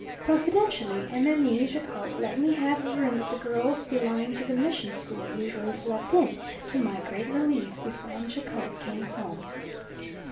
Providentially Mme. Jacot let me have the room that the girls belonging to the mission school usually slept in, to my great relief, before M. Jacot came home.